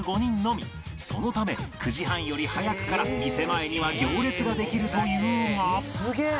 そのため９時半より早くから店前には行列ができるというが